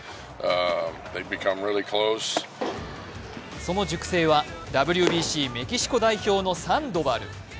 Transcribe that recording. その塾生はＷＢＣメキシコ代表のサンドバル。